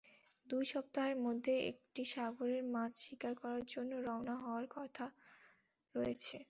দুই সপ্তাহের মধ্যে এটি সাগরে মাছ শিকারের জন্য রওনা হওয়ার কথা রয়েছে।